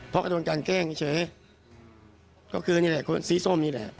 เพราะก็โดนการแกล้งเฉยก็คือนี่แหละคนสีส้มนี่แหละ